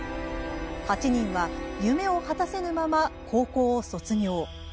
８人は、夢を果たせぬまま高校を卒業。